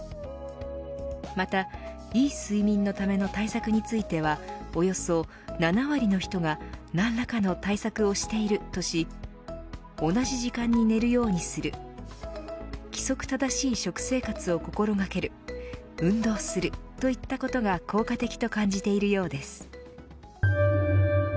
また、いい睡眠のための対策についてはおよそ７割の人が何らかの対策をしているとし同じ時間に寝るようにする規則正しい食生活を心掛ける運動する、といったことが効果的と感じているようです。